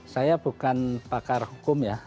saya bukan pakar hukum ya